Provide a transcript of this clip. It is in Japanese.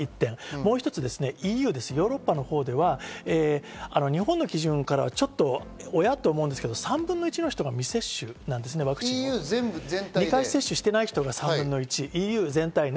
もう一つ、ＥＵ・ヨーロッパのほうでは日本の基準からはちょっと、おやっと思うんですけど３分の１の人が未接種、２回接種していない人が３分の１、ＥＵ全体で。